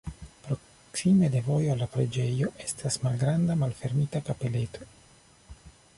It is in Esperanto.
Proksime de vojo al la preĝejo estas malgranda malfermita kapeleto.